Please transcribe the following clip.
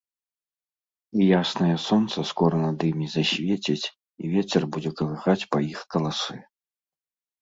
І яснае сонца скора над імі засвеціць, і вецер будзе калыхаць па іх каласы.